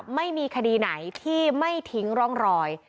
ไม่มีคดีไหนที่ไม่ทิ้งร่องรอย